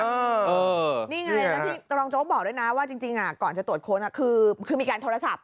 นี่ไงแล้วที่รองโจ๊กบอกด้วยนะว่าจริงก่อนจะตรวจค้นคือมีการโทรศัพท์